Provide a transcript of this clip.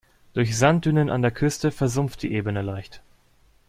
Durch Sanddünen an der Küste versumpft die Ebene leicht.